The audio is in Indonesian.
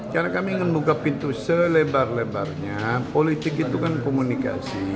cara kami ingin membuka pintu selebar lebarnya politik itu kan komunikasi